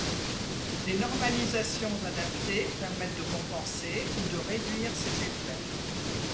Des normalisations adaptées permettent de compenser, ou de réduire, ces effets.